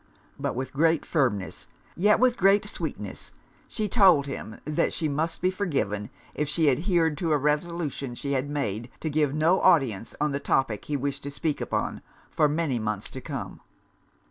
But with great firmness, yet with great sweetness, she told him that she must be forgiven if she adhered to a resolution she had made to give no audience on the topic he wished to speak upon, for many months to come.